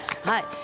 はい。